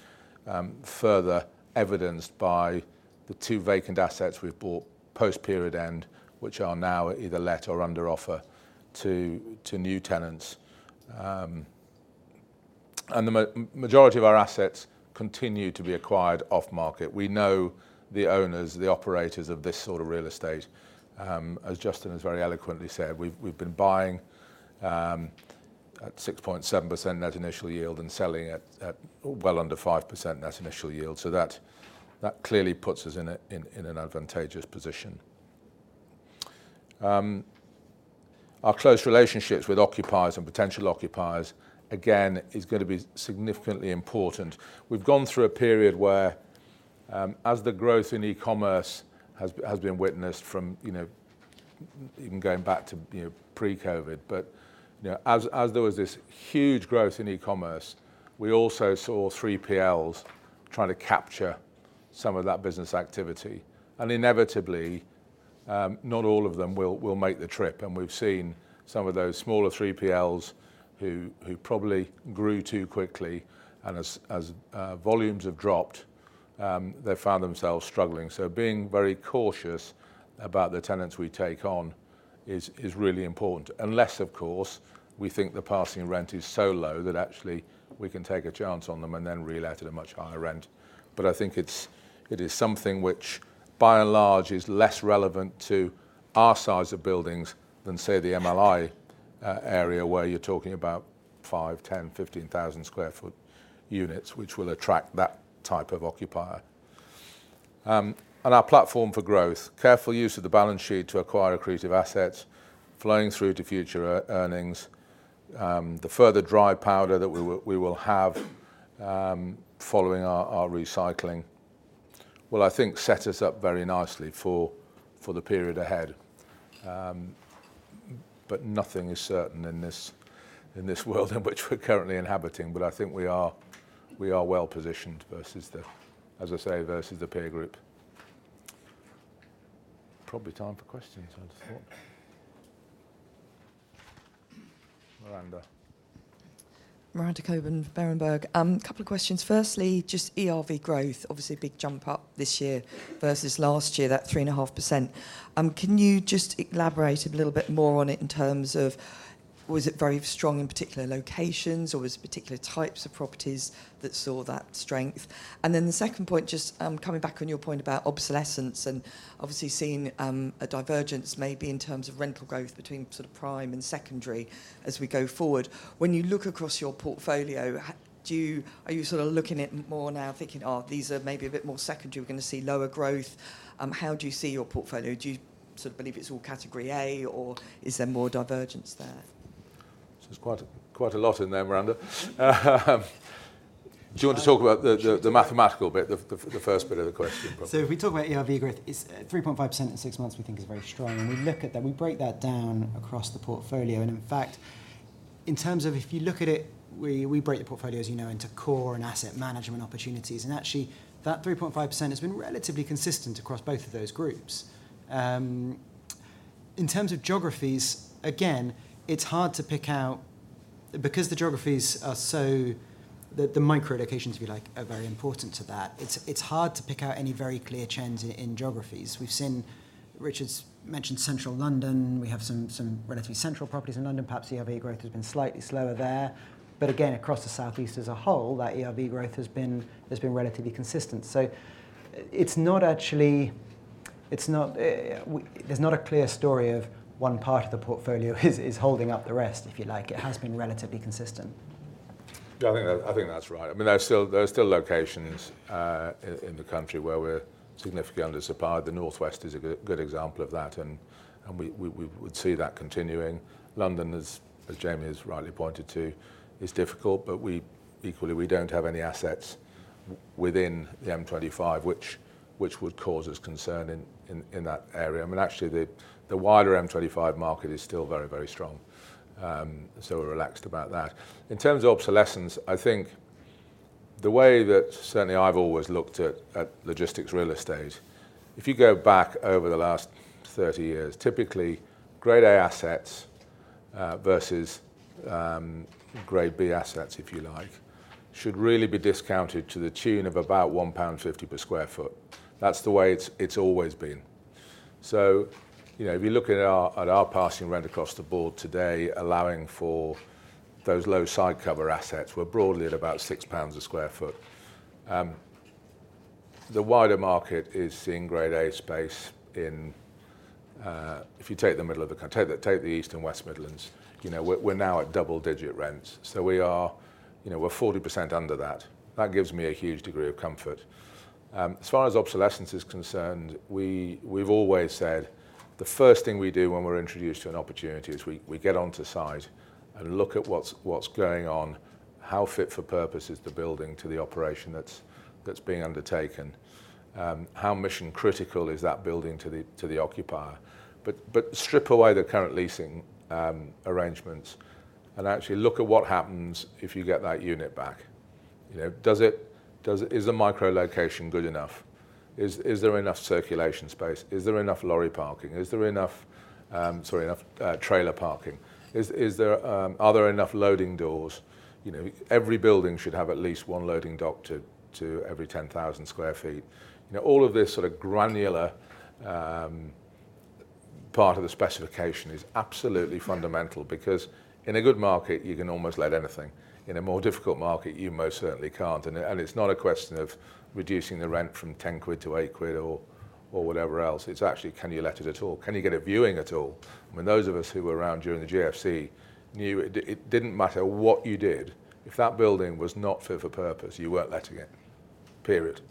further evidenced by the two vacant assets we've bought post-period end, which are now either let or under offer to new tenants, and the majority of our assets continue to be acquired off-market. We know the owners, the operators of this sort of real estate. As Justin has very eloquently said, we've been buying at 6.7% net initial yield and selling at well under 5% net initial yield, so that clearly puts us in an advantageous position. Our close relationships with occupiers and potential occupiers, again, is going to be significantly important. We've gone through a period where, as the growth in e-commerce has been witnessed from even going back to pre-COVID, but as there was this huge growth in e-commerce, we also saw 3PLs trying to capture some of that business activity, and inevitably, not all of them will make the trip, and we've seen some of those smaller 3PLs who probably grew too quickly, and as volumes have dropped, they found themselves struggling, so being very cautious about the tenants we take on is really important. Unless, of course, we think the passing rent is so low that actually we can take a chance on them and then re-let at a much higher rent. But I think it is something which, by and large, is less relevant to our size of buildings than, say, the MLI area where you're talking about five, 10, 15,000 sq ft units, which will attract that type of occupier. And our platform for growth, careful use of the balance sheet to acquire accretive assets, flowing through to future earnings, the further dry powder that we will have following our recycling, will, I think, set us up very nicely for the period ahead. But nothing is certain in this world in which we're currently inhabiting. But I think we are well positioned versus, as I say, versus the peer group. Probably time for questions, I just thought. Miranda.
Miranda Cockburn, Berenberg. A couple of questions. Firstly, just ERV growth, obviously a big jump up this year versus last year, that 3.5%. Can you just elaborate a little bit more on it in terms of, was it very strong in particular locations, or was it particular types of properties that saw that strength? And then the second point, just coming back on your point about obsolescence and obviously seeing a divergence maybe in terms of rental growth between sort of prime and secondary as we go forward. When you look across your portfolio, are you sort of looking at it more now thinking, "Oh, these are maybe a bit more secondary, we're going to see lower growth"? How do you see your portfolio? Do you sort of believe it's all Category A, or is there more divergence there?
So there's quite a lot in there, Miranda. Do you want to talk about the mathematical bit, the first bit of the question?
So if we talk about ERV growth, 3.5% in six months we think is very strong. And we look at that, we break that down across the portfolio. And in fact, in terms of if you look at it, we break the portfolio, as you know, into core and asset management opportunities. And actually, that 3.5% has been relatively consistent across both of those groups. In terms of geographies, again, it's hard to pick out because the geographies are so the micro-locations, if you like, are very important to that. It's hard to pick out any very clear trends in geographies. As Richard mentioned central London. We have some relatively central properties in London. Perhaps ERV growth has been slightly slower there. But again, across the South East as a whole, that ERV growth has been relatively consistent. So, it's not actually. There's not a clear story of one part of the portfolio is holding up the rest, if you like. It has been relatively consistent.
Yeah, I think that's right. I mean, there are still locations in the country where we're significantly under-supplied. The North West is a good example of that. And we would see that continuing. London, as Jamie has rightly pointed to, is difficult. But equally, we don't have any assets within the M25, which would cause us concern in that area. I mean, actually, the wider M25 market is still very, very strong. So we're relaxed about that. In terms of obsolescence, I think the way that certainly I've always looked at logistics real estate, if you go back over the last 30 years, typically Grade A assets versus Grade B assets, if you like, should really be discounted to the tune of about 1.50 pound per sq ft. That's the way it's always been. So if you look at our passing rent across the board today, allowing for those low site cover assets, we're broadly at about 6 pounds a sq ft. The wider market is seeing Grade A space in, if you take the middle of the country, take the East and West Midlands, we're now at double-digit rents. So we're 40% under that. That gives me a huge degree of comfort. As far as obsolescence is concerned, we've always said the first thing we do when we're introduced to an opportunity is we get onto site and look at what's going on, how fit for purpose is the building to the operation that's being undertaken, how mission-critical is that building to the occupier. But strip away the current leasing arrangements and actually look at what happens if you get that unit back. Is the micro-location good enough? Is there enough circulation space? Is there enough lorry parking? Is there enough trailer parking? Are there enough loading doors? Every building should have at least one loading dock to every 10,000 sq ft. All of this sort of granular part of the specification is absolutely fundamental. Because in a good market, you can almost let anything. In a more difficult market, you most certainly can't. And it's not a question of reducing the rent from 10 quid to 8 quid or whatever else. It's actually, can you let it at all? Can you get a viewing at all? I mean, those of us who were around during the GFC knew it didn't matter what you did. If that building was not fit for purpose, you weren't letting it. Period.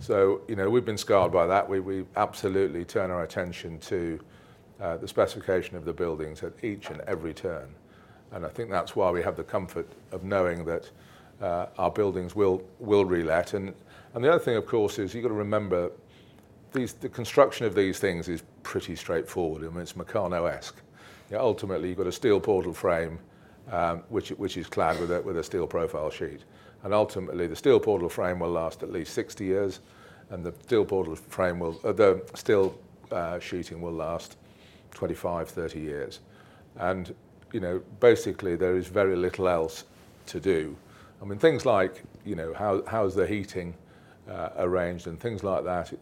So we've been scarred by that. We absolutely turn our attention to the specification of the buildings at each and every turn. I think that's why we have the comfort of knowing that our buildings will relet. The other thing, of course, is you've got to remember the construction of these things is pretty straightforward. I mean, it's Meccano-esque. Ultimately, you've got a steel portal frame, which is clad with a steel profile sheet. Ultimately, the steel portal frame will last at least 60 years. The steel sheeting will last 25-30 years. Basically, there is very little else to do. I mean, things like how is the heating arranged and things like that,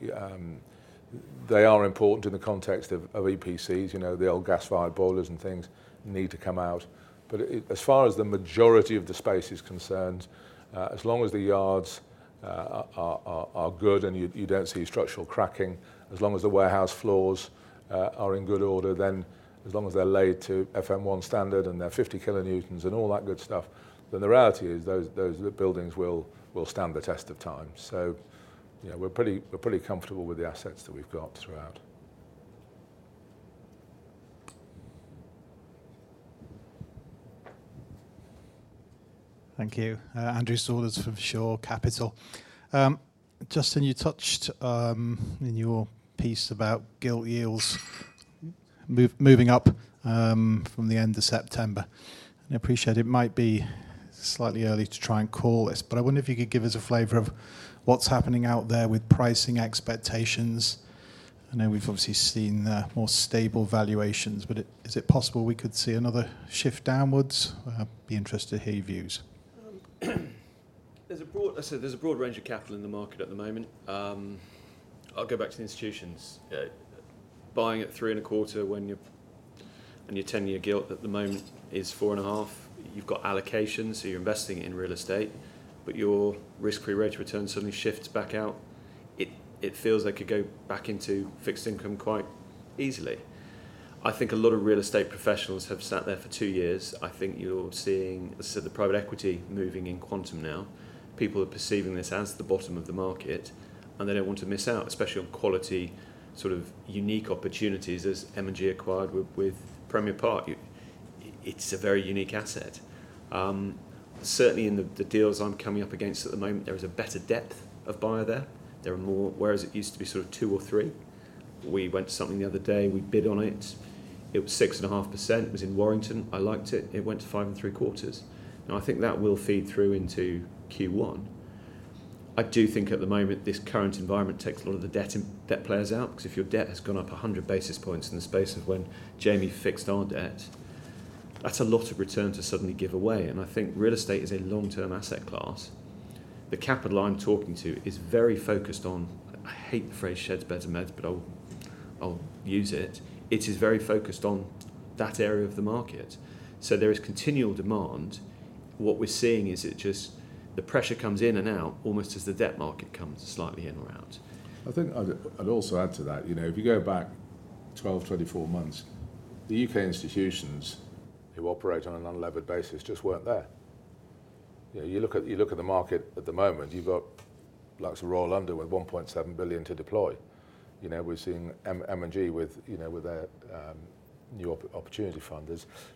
they are important in the context of EPCs. The old gas-fired boilers and things need to come out. But as far as the majority of the space is concerned, as long as the yards are good and you don't see structural cracking, as long as the warehouse floors are in good order, then as long as they're laid to FM1 standard and they're 50 kilonewtons and all that good stuff, then the reality is those buildings will stand the test of time. So we're pretty comfortable with the assets that we've got throughout.
Thank you. Andrew Saunders from Shore Capital. Justin, you touched in your piece about gilt yields moving up from the end of September. I appreciate it might be slightly early to try and call this. I wonder if you could give us a flavor of what's happening out there with pricing expectations. I know we've obviously seen more stable valuations. Is it possible we could see another shift downwards? I'd be interested to hear your views. There's a broad range of capital in the market at the moment. I'll go back to the institutions. Buying at 3.25% when your 10-year gilt at the moment is 4.5%, you've got allocations, so you're investing in real estate. But your risk-free rate of return suddenly shifts back out. It feels like you go back into fixed income quite easily. I think a lot of real estate professionals have sat there for two years. I think you're seeing the private equity moving in quantum now. People are perceiving this as the bottom of the market. And they don't want to miss out, especially on quality sort of unique opportunities as M&G acquired with Premier Park. It's a very unique asset. Certainly, in the deals I'm coming up against at the moment, there is a better depth of buyer there. There are more, whereas it used to be sort of two or three. We went to something the other day. We bid on it. It was 6.5%. It was in Warrington. I liked it. It went to 5.75%. And I think that will feed through into Q1. I do think at the moment this current environment takes a lot of the debt players out. Because if your debt has gone up 100 basis points in the space of when Jamie fixed our debt, that's a lot of returns to suddenly give away. And I think real estate is a long-term asset class. The capital I'm talking to is very focused on I hate the phrase Sheds, Beds and Meds, but I'll use it. It is very focused on that area of the market. So there is continual demand. What we're seeing is it just the pressure comes in and out almost as the debt market comes slightly in or out.
I think I'd also add to that. If you go back 12-24 months, the UK institutions who operate on an unlevered basis just weren't there. You look at the market at the moment, you've got lots of Royal London with 1.7 billion to deploy. We've seen M&G with their new opportunity fund.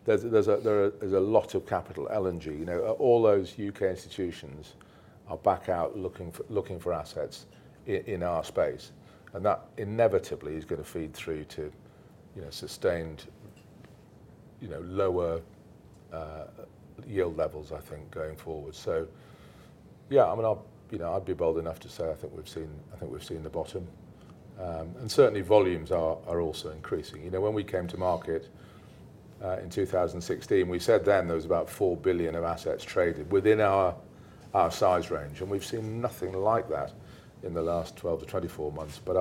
There's a lot of capital. L&G, all those UK institutions are back out looking for assets in our space. And that inevitably is going to feed through to sustained lower yield levels, I think, going forward. So yeah, I mean, I'd be bold enough to say I think we've seen the bottom. And certainly, volumes are also increasing. When we came to market in 2016, we said then there was about 4 billion of assets traded within our size range. And we've seen nothing like that in the last 12-24 months. But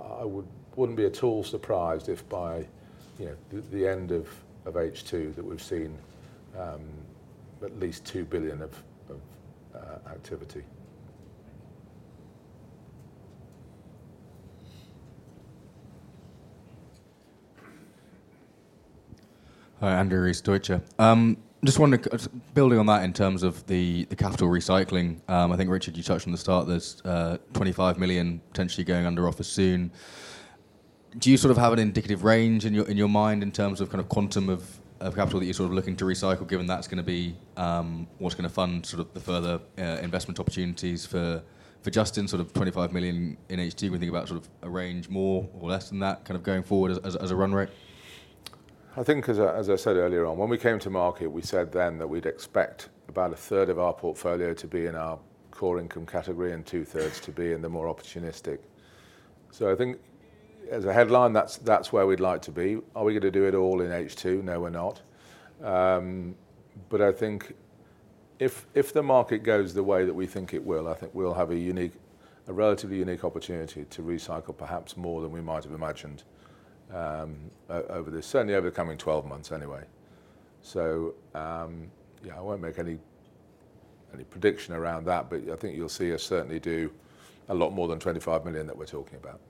I wouldn't be at all surprised if by the end of H2 that we've seen at least 2 billion of activity.
Hi, I'm Darius Deuchar. Just wondering, building on that in terms of the capital recycling, I think Richard, you touched on the start, there's 25 million potentially going under offer soon. Do you sort of have an indicative range in your mind in terms of kind of quantum of capital that you're sort of looking to recycle, given that's going to be what's going to fund sort of the further investment opportunities for Justin, sort of 25 million in H2? We think about sort of a range more or less than that kind of going forward as a run rate?
I think, as I said earlier on, when we came to market, we said then that we'd expect about a third of our portfolio to be in our core income category and two-thirds to be in the more opportunistic. So I think as a headline, that's where we'd like to be. Are we going to do it all in H2? No, we're not. But I think if the market goes the way that we think it will, I think we'll have a relatively unique opportunity to recycle perhaps more than we might have imagined over this, certainly over the coming 12 months anyway. So yeah, I won't make any prediction around that. But I think you'll see us certainly do a lot more than 25 million that we're talking about.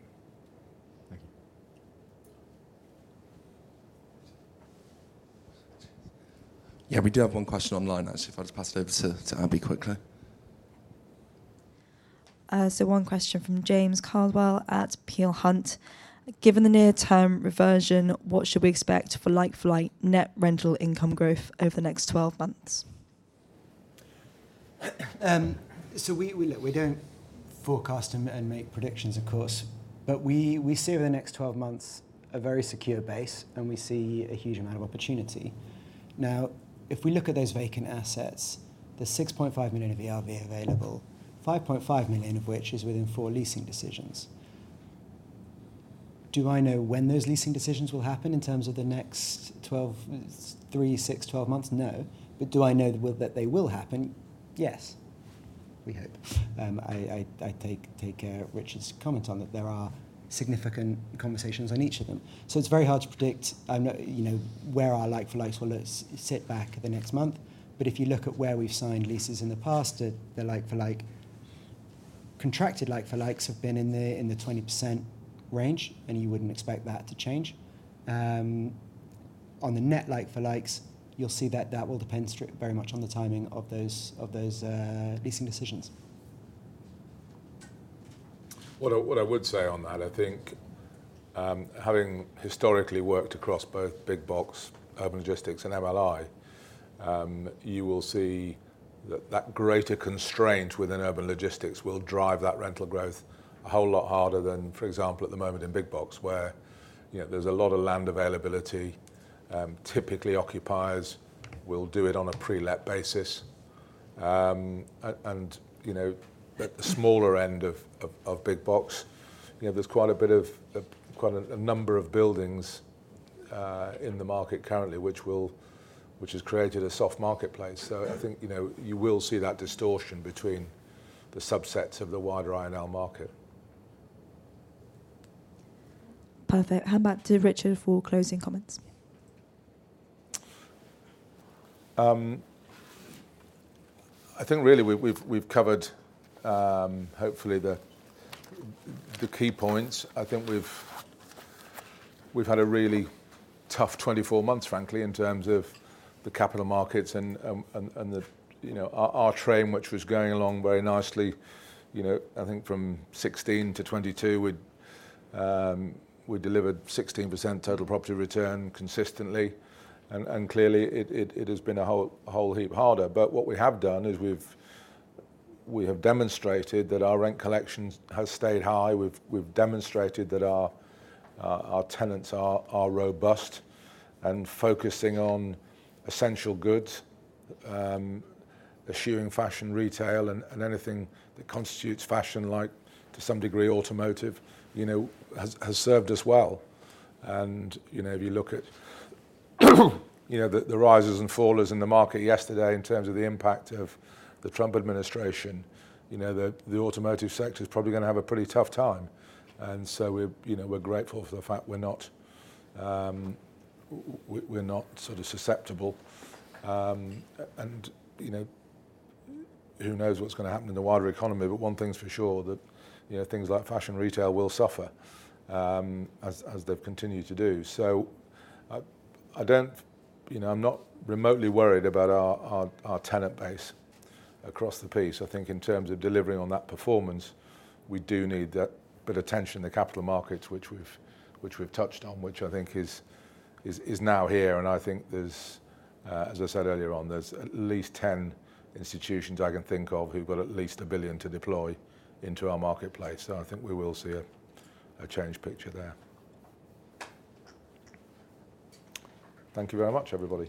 Thank you. Yeah, we do have one question online. I see if I'll just pass it over to Abby quickly.
So one question from James Carswell at Peel Hunt. Given the near-term reversion, what should we expect for like-for-like net rental income growth over the next 12 months?
So we don't forecast and make predictions, of course. But we see over the next 12 months a very secure base. And we see a huge amount of opportunity. Now, if we look at those vacant assets, there's £6.5 million of ERV available, £5.5 million of which is within four leasing decisions. Do I know when those leasing decisions will happen in terms of the next 3, 6, 12 months? No. But do I know that they will happen? Yes, we hope. I take Richard's comment on that there are significant conversations on each of them. So it's very hard to predict where our like-for-like will sit in the next month. But if you look at where we've signed leases in the past, the like-for-like contracted like-for-likes have been in the 20% range. And you wouldn't expect that to change.
On the net like-for-likes, you'll see that that will depend very much on the timing of those leasing decisions.
What I would say on that, I think having historically worked across both Big Box, Urban Logistics, and MLI, you will see that greater constraint within Urban Logistics will drive that rental growth a whole lot harder than, for example, at the moment in Big Box, where there's a lot of land availability. Typically, occupiers will do it on a pre-let basis. And at the smaller end of Big Box, there's quite a number of buildings in the market currently, which has created a soft marketplace. So I think you will see that distortion between the subsets of the wider I&L market.
Perfect. How about to Richard for closing comments?
I think really we've covered hopefully the key points. I think we've had a really tough 24 months, frankly, in terms of the capital markets and our train, which was going along very nicely. I think from 2016 to 2022, we delivered 16% total property return consistently, and clearly, it has been a whole heap harder, but what we have done is we have demonstrated that our rent collection has stayed high. We've demonstrated that our tenants are robust, and focusing on essential goods, eschewing fashion retail and anything that constitutes fashion, like to some degree automotive, has served us well, and if you look at the rises and fallers in the market yesterday in terms of the impact of the Trump administration, the automotive sector is probably going to have a pretty tough time, and so we're grateful for the fact we're not sort of susceptible. And who knows what's going to happen in the wider economy. But one thing's for sure, that things like fashion retail will suffer as they've continued to do. So I'm not remotely worried about our tenant base across the piece. I think in terms of delivering on that performance, we do need that bit of tension in the capital markets, which we've touched on, which I think is now here. And I think, as I said earlier on, there's at least 10 institutions I can think of who've got at least a billion to deploy into our marketplace. So I think we will see a changed picture there. Thank you very much, everybody.